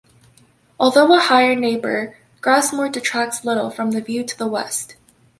Although a higher neighbour, Grasmoor detracts little from the view to the west.